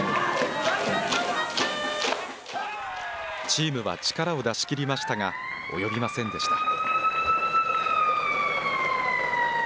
チームは力を出し切りましたが、及びませんでした。